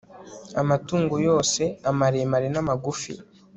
amatungo yose, amaremare n'amagufi